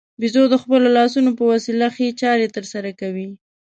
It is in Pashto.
بیزو د خپلو لاسونو په وسیله ښې چارې ترسره کوي.